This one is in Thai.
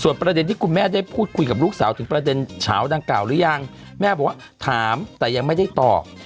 ประเด็นที่คุณแม่ได้พูดคุยกับลูกสาวถึงประเด็นเฉาดังกล่าวหรือยังแม่บอกว่าถามแต่ยังไม่ได้ตอบ